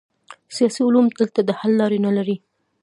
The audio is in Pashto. سیاسي علوم دلته د حل لاره نلري.